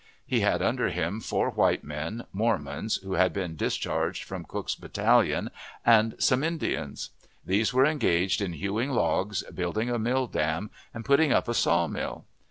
He had under him four white men, Mormons, who had been discharged from Cooke's battalion, and some Indians. These were engaged in hewing logs, building a mill dam, and putting up a saw mill.